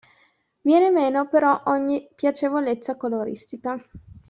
Viene meno però ogni piacevolezza coloristica.